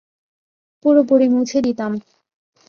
পুরোপুরি মুছে দিতাম।